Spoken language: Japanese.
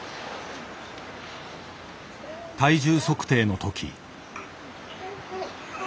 体重測定の時。